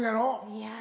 いや。